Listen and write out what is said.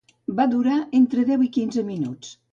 Va durar entre deu i quinze minuts.